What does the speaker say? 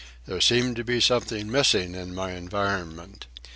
There seemed something missing in my environment.